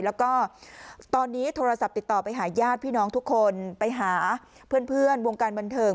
แล้วก็ตอนนี้โทรศัพท์ติดต่อไปหาญาติพี่น้องทุกคนไปหาเพื่อนวงการบันเทิง